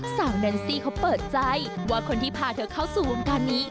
แนนซี่เขาเปิดใจว่าคนที่พาเธอเข้าสู่วงการนี้